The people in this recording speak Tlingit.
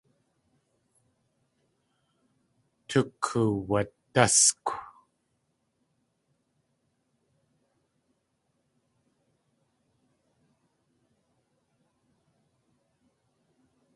Tukuwadáskw.